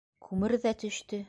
Күмер ҙә төштө.